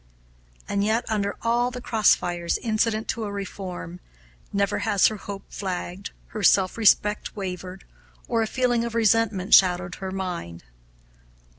And yet, under all the cross fires incident to a reform, never has her hope flagged, her self respect wavered, or a feeling of resentment shadowed her mind.